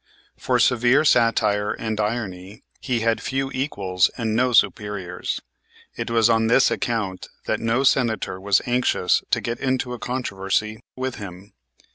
For severe satire and irony he had few equals and no superiors. It was on this account that no Senator was anxious to get into a controversy with him.